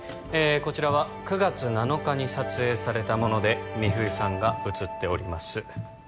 こちらは９月７日に撮影されたもので美冬さんが写っております